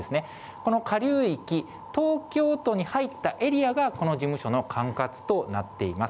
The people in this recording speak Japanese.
この下流域、東京都に入ったエリアが、この事務所の管轄となっています。